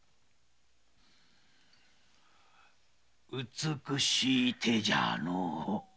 美しい手じゃのう。